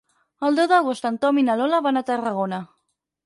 El deu d'agost en Tom i na Lola van a Tarragona.